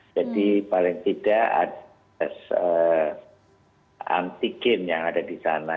jadi paling tidak ada tes antigen yang ada di sana